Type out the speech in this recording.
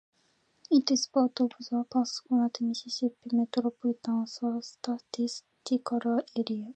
It is part of the Pascagoula, Mississippi Metropolitan Statistical Area.